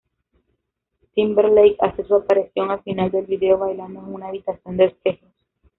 Timberlake hace su aparición al final del video bailando en una habitación de espejos.